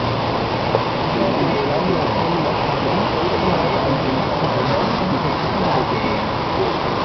শেখ গোলাম মোহাম্মদ ছিলেন ওই সময়ের একজন ক্ষমতাধর বিচক্ষণ ব্যক্তি।